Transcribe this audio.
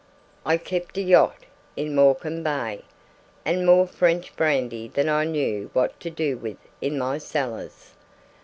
I kept a 'yacht' in Morecambe Bay, and more French brandy than I knew what to do with in my cellars.